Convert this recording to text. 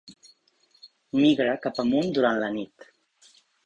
Migra cap amunt durant la nit.